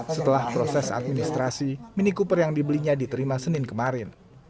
setelah proses administrasi mini cooper yang dibelinya diterima senin kemarin